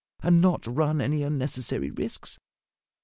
and not run any unnecessary risks?"